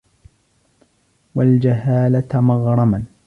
وَالْجَهَالَةَ مَغْرَمًا